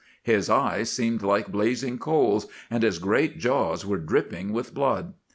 His eyes seemed like blazing coals, and his great jaws were dripping with blood.